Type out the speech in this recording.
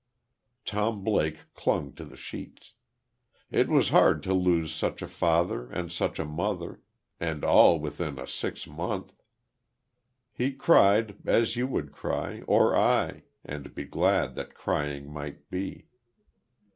Tom Blake clung to the sheets. It was hard to lose such a father and such a mother, and all within a six month. He cried, as you would cry, or I, and be glad that crying might be....